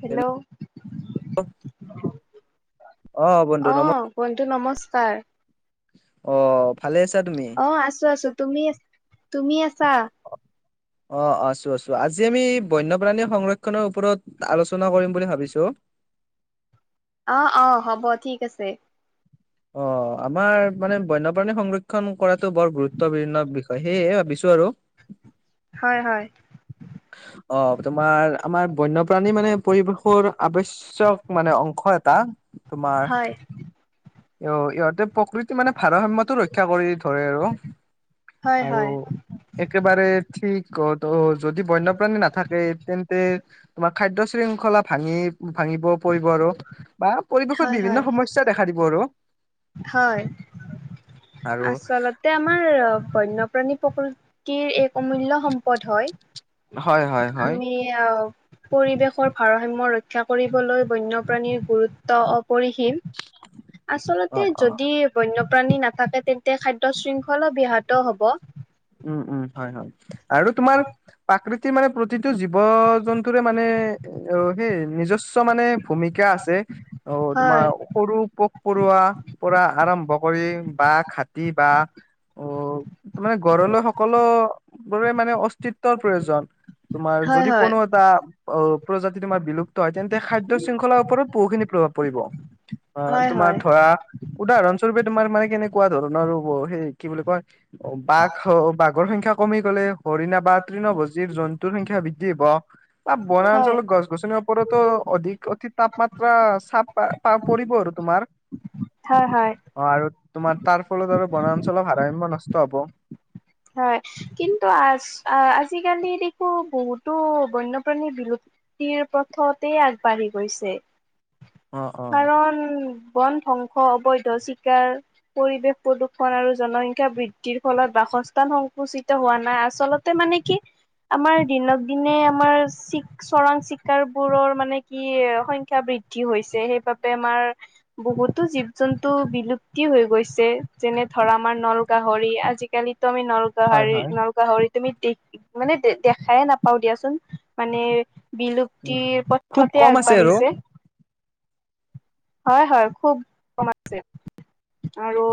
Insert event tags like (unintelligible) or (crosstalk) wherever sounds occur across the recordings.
Hello হেল্ অৱ বন্ধু অ নম বন্ধু নমস্কাৰ অ ভালে আছা তুমি অ আছো আছো, তুমি তুমি আছা অ আছো আছো আজি আমি বন্যপ্ৰাণীৰ সংৰক্ষনৰৰ ওপৰত আলোচনা কৰিম বুলি ভাবিছো। অৱ অৱ হ'ব ঠিক আছে অ আমাৰ মানে বন্যপ্ৰাণী সংৰক্ষণ কৰাটো বৰ গুৰুত্বপূৰ্ণ বিষয় সেয়েহে ভাবিছো আৰু হয় হয় অ তোমাৰ আমাৰ বন্যপ্ৰাণী মানে পৰিৱেশৰ আৱশ্যক মানে অংশ এটা। তোমাৰ হয় অ ইহঁতে প্ৰকৃতি মানে ভাৰসাম্যতা ৰক্ষা কৰি ধৰে আৰু হয় আৰু, হয় একেবাৰে ঠিক ক ত যদি বন্যপ্ৰাণী নাথাকে তেন্তে তোমাৰ খাদ্য শৃংখলা ভাঙি ভাঙি নি পৰিব আৰু বা পৰিৱেশত হয় হয় বিভিন্ন সমস্যা দেখা দিব আৰু হয় আৰু আচলতে আমাৰ বন্যপ্ৰাণী প্ৰকৃতিৰ এক অমূল্য সম্পদ হয়। হয় হয় হয় আমি আহ পৰিৱেশৰ ভাৰসাম্য ৰক্ষা কৰিবলৈ বন্যপ্ৰাণীৰ গুৰুত্ব পহিম অ আচলতে অ যদি বন্য প্ৰাণী নাথাকে তেন্তে খাদ্য শৃংখলা ব্যয়াহত হব। উম উম হয় হয় আৰু তোমাৰ প্ৰাকৃতিৰ মানে প্ৰতি টো জীৱ জন্তুৰে মানে অ সেই নিজস্ব মানে ভূমিকা আছে অ তোমাৰ হয় সৰু পৰুৱা পৰাৰা আৰম্ভ কৰি বা খাটি বা উ তাৰ মানে ঘৰলৈ সকলোবোৰে মানে অস্তিত্বৰ প্ৰয়োজন তোমাৰ হয় যদি হয় কোনো এটা অ প্ৰজাতি তোমাৰ বিলুপ্ত হয় তেন্তে খাদ্য শৃংখলাৰ ওপৰত বহুখিনি প্ৰভাৱ পৰিব। অ হয় তোমাৰ হয় ধৰা উদাহৰণস্বৰূপে তোমাৰ মানে কেনেকুৱা ধৰণৰ সেই কি বুলি কয় বাঘ বাঘৰ সংখ্যক কমি গ'লে হৰিণা বা তৃণ ভজিৰ জন্তুৰ সংখ্যা বৃদ্ধি হব। আ হয় বনাঅঞ্চলৰ গছ গছনি ওৰতো অধিক অতি তাপমাত্ৰা চাপ পৰিব আৰু তোমাৰ হয় হয় অ আৰু তোমাৰ তাৰ ফলত আৰু বনাঞ্চলৰ ভাৰাম্য নষ্ট হ'ব। হয় কিন্তু আজ টো বন্যপ্ৰাণী বিলু্পতিৰ পথতেই আগবাঢ়ি গৈছে। অ অ কাৰণ বন ধ্বংস অবৈধ চিকাৰ পৰিৱেশ প্ৰদূষণ আৰু জনসংখ্যা বৃদ্ধিৰ ফলত বাস সংস্থান সংকুচিত হোৱা নাই আচলতে মানে কি? আমাৰ দিনক দিনে আমাৰ চ চৰাং চিকাৰ বোৰৰ মানে কি সংখ্যা ব বৃদ্ধি হৈছে স বাবে আমাৰ বহুতো জীৱ জন্তু বিলুপ্তি হৈ গৈছে যেনে ধৰা আমাৰ নল ন গাহৰি আজিকালিতো আমি নল হয় গাহৰী হয় নলগাহৰি তুমি দে মানে দেখাই নাপাও দিয়াচোন মানে। উম বিলুপ্তিৰ খুব পথতে কম আছে আৰু আগবাঢ়িছে। হয় হয় খুব কম আছে আৰু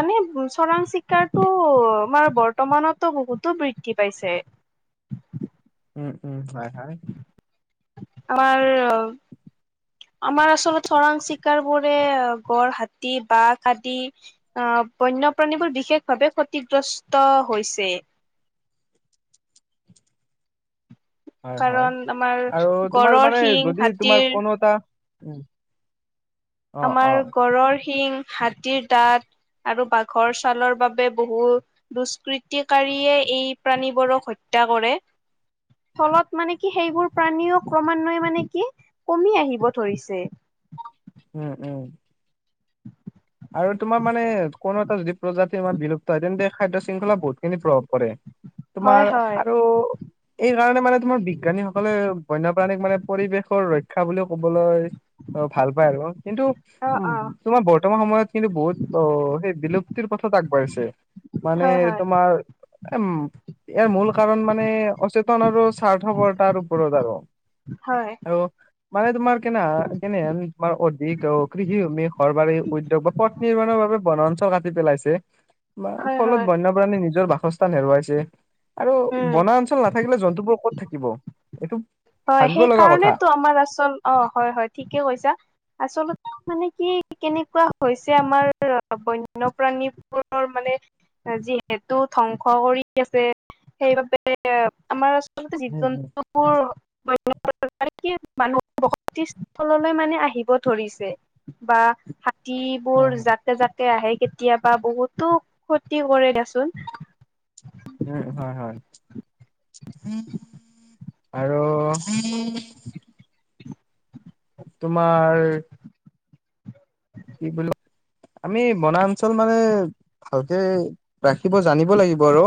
মানে চোৰাং চিকাৰটো আমাৰ বৰ্তমানতো বহুতো বৃদ্ধি পাইছে। (inaudible) (unintelligible) উম উম হয় হয় আমাৰ আমাৰ আচলত চিৰাং চিকাৰী বোৰে গড়, হাতী, বাঘ আদি আহ বন্যপ্ৰাণীবোৰ বিশেষভাৱে ক্ষতিগ্ৰস্ত হৈছে। (inaudible) হয় হয় কাৰণ আমাৰ আৰু তোমাৰ গড়ৰ মানে শিং, যদি তোমাৰ হাতীৰ কোনো এটা উম অ অ আমাৰ গড়ৰ শিং, হাতীৰ দাঁত আৰু বাঘৰ ছালৰ বাবে বহু দুষ্কৃতিকাৰীয়ে এই প্ৰাণীবোৰক হত্যা হত্যাকৰে। ফলত মানে কি সেইবোৰ প্ৰাণীও ক্ৰমান্বয়ে মানে কি কমি আহিব ধৰিছে উ (unintelligible) উম উম আৰু তোমাৰ মানে কোনো এটা জীৱ প্ৰজাতিৰ আমাক বিলুপ্ত হয় তেন্তে খাদ্য শৃংখলা বহুতখিনি প্ৰভাৱ পৰে। হয় তোমাৰ হয় আৰু এই কাৰণে মানে তোমাৰ বিজ্ঞানীসকলে বন্যপ্ৰাণীক মানে পৰিৱেশৰ ৰক্ষা বুলিও ক'বলৈ। অ ভাল পাই আৰু কিন্তু অ উ অ তোমাৰ তোমাৰ কিন্তু বহুত অ সেই বিলুপ্তিৰ পথত আগবাঢ়িছে মানে হয় হয় তোমাৰ এম ইয়াৰ মূল কাৰণ মানে অচেতন আৰু স্বাৰ্থপৰতাৰ ওপৰত আৰু হয় আৰু মানে তোমাৰ কেনে কেনেহেন তোমাৰ অধিক কৃষিভূমি ঘৰ বাৰী উদ্যোগ পথ নিৰ্মাণৰ বাবে বনাঞ্চল কাটি পেলাইছে। বা হয় ফলত হয় বন্যপ্ৰাণী নিজৰ বাসস্থান হেৰুৱাইছে। আৰু উম বনাঞ্চল অঞ্চল নাথাকিলে জন্তুবোৰ ক'ত থাকিব। এইটো হয় ভাবিব সেই লগা কথা কাৰণেতো আমাৰ আচল অ হয় হয় ঠিকে কৈছা আচলতে। মানে কি কেনেকুৱা হৈছে আমাৰ বন্যপ্ৰাণীবোৰ মানে। যিহেতু ধ্বংস কৰি আছে সেইবাবে আমাৰ। জীৱ উম উম জন্তুবোৰ বন প্ৰাণী আৰু কি মানুহ বসতি সললৈ মানে আহিব ধৰিছে বা। হয় হাতিবোৰ হয় জাকে জাকে আহে। কেতিয়াবা বহুতো ক্ষতি কৰে দিয়াচোন। উম হয় হয়। আৰু। তোমাৰ। কি বুলি আমি বনাঞ্চল মানে ভালকে। ৰাখিব জানিব লাগিব আৰু।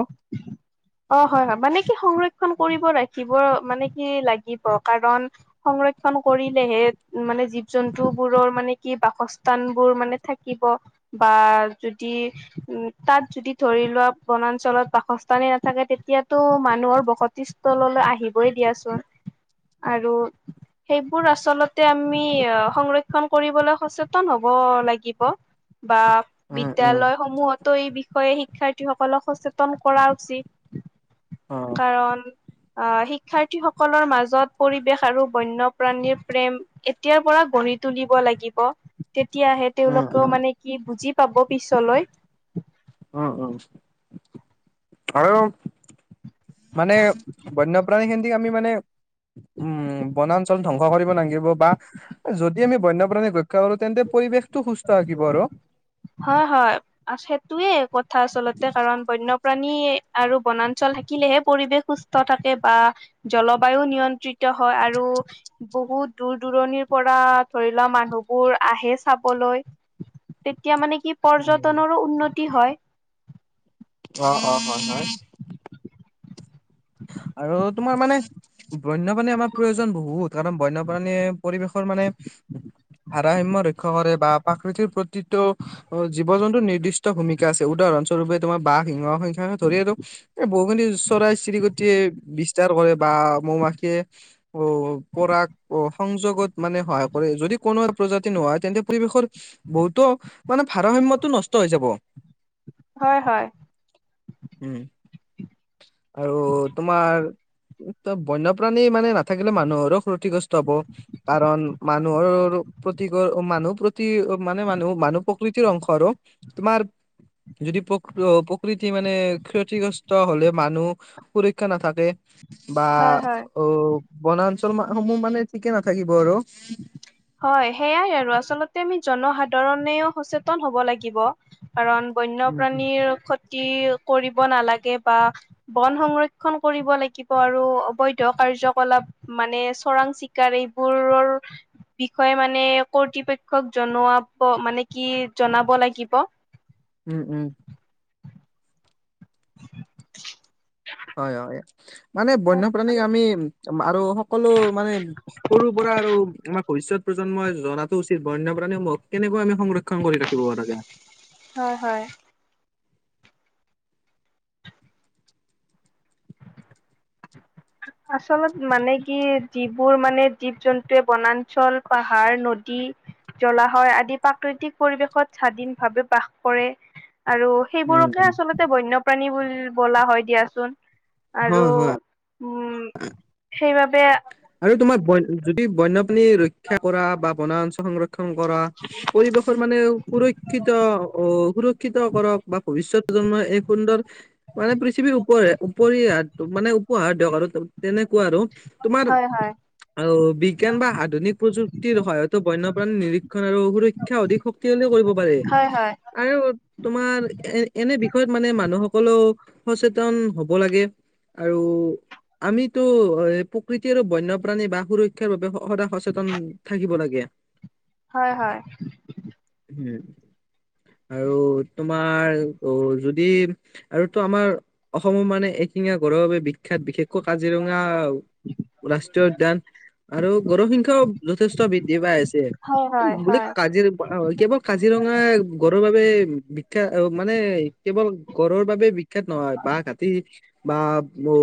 অ হয় হয় মানে কি সংৰক্ষণ কৰিব ৰাখিব মানে কি লাগিব কাৰণ। সংৰক্ষন কৰিলেহে মানে জীৱ জন্তু বোৰৰ মানে কি বাসস্থান বোৰ মানে থাকিব। বা যদি উম তাত যদি ধৰি লোৱা বনাঞ্চলত বাসস্তানে। নাথাকে তেতিয়াতো মানুহৰ বসতি স্থাল আহিবই দিয়াচোন। আৰু। সেইবোৰ আচলতে আমি সংৰক্ষন কৰিবলৈ সচেতন হব লাগিব। বা উম উম বিদ্যয়ালয় সমূহতো এই বিষয়ে শিক্ষাৰ্থীসকলক সচেতন কৰা উচিত অ কাৰণ অহ শিক্ষাৰ্থীসকলৰ মাজত পৰিৱেশ। আৰু বন্যপ্ৰাণীৰ প্ৰেম এতিয়াৰ পৰা গঢ়ি তুলিব লাগিব। তেতিয়াহে উম উম তেওঁলোকেও মানে কি বুজি পাব পিছলৈ। উম উম আৰু। মানে বন্যপ্ৰাণী খেদি আমি মানে। উম বনাঞ্চল। ধ্বংস কৰিব নালাগিব বা যদি আমি বন্যপ্ৰাণীক ৰক্ষা কৰো তেন্তে পৰিৱেশ। তো সুস্থ থাকিব আৰু। হয় হয় সেইটোয়ে কথা আচলতে কাৰণ বন্যপ্ৰাণী। আৰু বনাঞ্চল থাকিলেহে পৰিৱেশ সুস্থ থাকে বা জলবায়ু নিয়ন্ত্ৰিত হয় আৰু। বহুত দূৰ দূৰণিৰ পৰা ধৰি লোৱা মানুহবোৰ আহে চাবলৈ। তেতিয়া মানে কি পৰ্যটনৰো উন্নতি হয়। অ অ অ হয় হয়। আৰু তোমাৰ মানে বন্যয়প্ৰাণী আমাৰ প্ৰয়োজন বহুত। কাৰণ বন্যপ্ৰাণীয়ে পৰিৱেশৰ মানে ভাৰসাম্য় ৰক্ষা কৰে, বা প্ৰকৃতিৰ প্ৰতিটো জীৱ জন্তু নিৰ্দিষ্ট ভূমিকা আছে উদাহৰণস্বৰূপে তোমাৰ বাঘ, সিংহ স ধৰি আৰু এ বহুখিনিও চৰাই চিৰিক বিস্তাৰ কৰে বা মৌ মাখিয়ে অ পৰা অ সংযোগত মানে সহায় কৰে। যদি কোনো প্ৰজাতি নোহয় তেন্তে পৰিৱেশৰ বহুতো মানে ভাৰ য়তটো নষ্ট হৈ যাব। হয় হয়। উম আৰু তোমাৰ ত বন্যপ্ৰাণী মানে নাথাকিলে মানুহৰো ক্ষতিগ্ৰস্ত হব। কাৰণ মানুহৰ প্ৰতিকৰ মানুহ প্ৰতি মানে মানুহ মানুহ প্ৰকৃতিৰ অংশ আৰু, তোমাৰ যদি প্ৰ প্ৰকৃতি মানে ক্ষতিগ্ৰস্ত হলে মানুহ পুৰক্ষা নাথাকে বা হয় হয় অ বনাঞ্চল সমূহ মানে ঠিকে নাথাকিব আৰু। হয় সেইয়াই আৰু আচলতে আমি জনসাধাৰণেও সচেতন হব লাগিব। কাৰণ উম উম বন্যপ্ৰাণীৰ কৰিব নালাগে বা বন সংৰক্ষণ কৰিব লাগিব আৰু অবৈধ কাৰ্যকলাপ মানে চৰাং চিকাৰ এইবোৰৰ বিষয়ে মানে কৰ্তৃপক্ষক জনোৱাব মানে কি জনাব লাগিব। উম উম। হয় হয় মানে বন্যপ্ৰাণীক আমি আৰু সকলো মানে সৰু পৰা আৰু আমাৰ ভৱিষ্যত প্ৰজন্মই জনাতো উচিত। বন্যপ্ৰাণীসমূহ কেনেকুৱা আমি সংৰক্ষণ কৰি ৰাখিব লাগে। হয় হয়। আচলত মানে কি যিবোৰ মানে জীৱ জন্তুৱে বনাঞ্চল পাহাৰ নদী জ্বলাশয় আদি প্ৰাকৃতিক পৰিৱেশত স্বাধীন ভাৱে বাস কৰে আৰু উম সেইবোৰকে উম আচলতে বন্যপ্ৰাণী বুলি বোলা হয় দিয়াচোন। আৰু হয় হয় উম সেইবাবে আৰু তোমাৰ বন যদি বন্যপ্ৰাণী ৰক্ষা কৰা বা বনা অঞ্চল সংৰক্ষ কৰা পৰিৱেশৰ মানে সুৰক্ষিত অ সুৰক্ষিত কৰক বা ভৱিষ্যত এই সুন্দৰ মানে পৃথিৱীৰ উপৰে উপৰি মানে পহা দিয়ক আৰু তেনেকুৱা আৰু। হয় হয়। আৰু বিজ্ঞান বা আধুনিক প্ৰযুক্তিৰ সহায়তো বন্যপ্ৰাণী নিৰীক্ষণ আৰু সুৰক্ষা অধিক শক্তি থ কৰিব পাৰে হয় হয় হয় আৰু তোমাৰ এ এনে বিষয়ত মানে মানুহসকলেও সচেতন হ'ব লাগে। আৰু আমিতো প্ৰৃতি আৰু বন্যপ্ৰাণী বা সুৰক্ষাৰ বাবে সদায় সচেতন থাকিব লাগে। হয় হয়। উ (inaudible) আৰু তোমাৰ অ যদি আৰু তো আমাৰ অসমৰ মানে এঠিঙা গঁড়ৰ বাবে বিখ্যাত বিশেষকৈ কাজিৰঙা ৰাষ্ট্ৰীয় উদ্যান আৰু গঁড় সংখ্যাও যথেষ্ট বৃদ্ধি পাই আছে। হয় হয়। বোলে হয় কাজিৰ কেৱল কাজিৰঙা গঁড়ৰৰ বাবে বিখ্যা মানে কেৱল গঁড়ৰৰ বাবে বিখ্যাত নহয় বাঘ, হাতী বা অ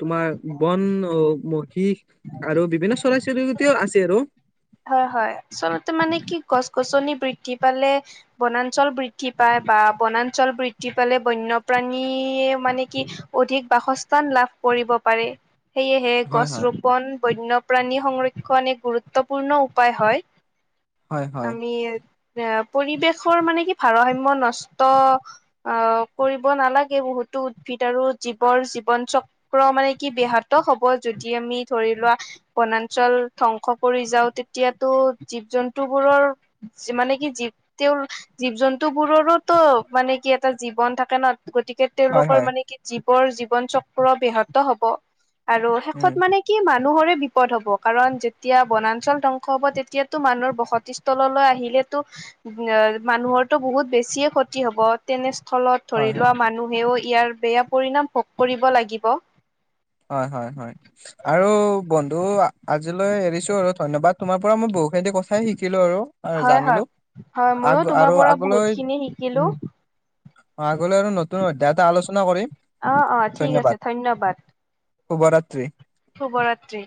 তোমাৰ বন অ মহি আৰু বিভিন্ন চৰাই চিৰিকতিও আছে আৰু। হয় হয় আচলতে মানে কি গছ গছনি বৃদ্ধি পালে বনাঞ্চল বৃদ্ধি পায় বা বনাঞ্চল বৃদ্ধি পালে বন্যপ্ৰাণী মানে কি অধিক বাসস্থান লাভ কৰিব পাৰে সেয়েহে হয় গছ হয় ৰোপন বন্যপ্ৰাণী সংৰক্ষণ এক গুৰুত্বপূৰ্ণ উপায় হয় হয় হয় আমিৰ এ পৰিৱেশৰ মানে কি ভাৰসাম্য নষ্ট অ কৰিব নালাগে বহুত উদ্ভিদ আৰু জীৱৰ জীৱন চক্ৰ মানে কি ব্যাহত হ'ব যদি আমি ধৰি লোৱা বনাঞ্চল ধ্বংস কৰি যাও তেতিয়াটো জীৱ জন্তু বোৰৰ মানে কি তেওঁৰ জীৱ জন্তুবোৰ সেইতো মানে কি এটা জীৱন থাকে ন গতিকে হয় তেওঁলোকৰ হয় মানে কি জীৱৰ জীৱন চক্ৰ ব্যাহত হব আৰু শেষত উম মানে কি মানুহৰে বিপদ হ'ব কাৰণ যেতিয়া বনা ঞ্চল ধ্বংস হব তেতিয়াতো মানুহৰ বসতি সললৈ আহিলেতো উ মানুহৰটো বহুত বেছি বেছিয়ে ক্ষতি হ'ব তেনে স্থলত ধৰি হয় হয় লোৱা মানুহেও ইয়াৰ বেয়া পৰিণাম ভোগ কৰিব লাগিব হয় হয় হয় আৰু বন্ধু আজিলৈ এৰিছো আৰু ধন্যবাদ তোমাৰ পৰা মই বহুখিনি কথাই শিকিলো আৰু হয় হয়। জানিলো হয় ময়ো আগ তোমাৰ আৰু পৰা আগলৈ বহুতখিনি শিকিলোঁ উম আগলৈ আৰু নতুন অধ্যায় এটা আলোচনা কৰিম অ অ ঠিক আছে ধন্যবাদ ধন্যবাদ শুভৰাত্ৰি। শুভৰাত্ৰি